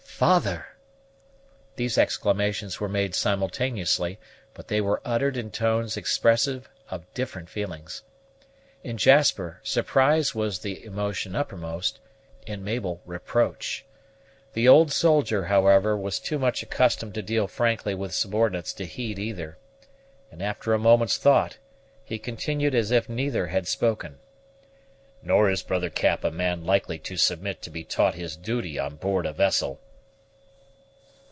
"Father!" These exclamations were made simultaneously, but they were uttered in tones expressive of different feelings. In Jasper, surprise was the emotion uppermost; in Mabel reproach. The old soldier, however, was too much accustomed to deal frankly with subordinates to heed either; and after a moment's thought, he continued as if neither had spoken. "Nor is brother Cap a man likely to submit to be taught his duty on board a vessel."